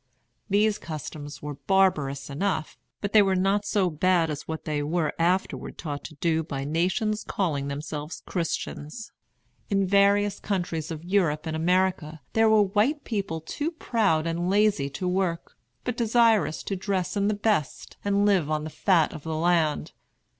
These customs were barbarous enough, but they were not so bad as what they were afterward taught to do by nations calling themselves Christians. In various countries of Europe and America there were white people too proud and lazy to work, but desirous to dress in the best and live on the fat of the land.